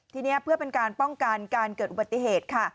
ทีนี้เพื่อเป็นการป้องกันการเกิดอุบัติเหตุค่ะ